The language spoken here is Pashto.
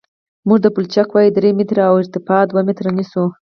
موږ د پلچک وایه درې متره او ارتفاع دوه متره نیسو